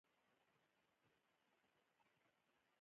ما ورته وویل: ښه ده، ښه احساس کوم.